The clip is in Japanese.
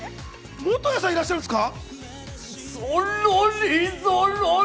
元彌さん、いらっしゃるんですか？